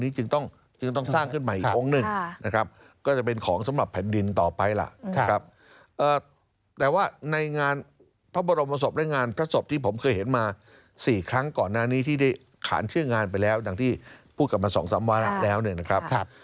สี่ครั้งก่อนหน้านี้ที่ได้ขานเชื่องงานไปแล้วอย่างที่พูดกลับมา๒๓วันแล้วนะครับครับ